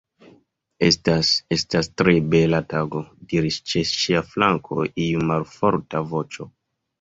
"Estas... estas tre bela tago," diris ĉe ŝia flanko iu malforta voĉo.